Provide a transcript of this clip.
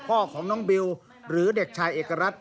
พ่อของน้องบิวหรือเด็กชายเอกรัฐ